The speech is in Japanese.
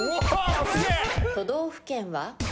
都道府県は？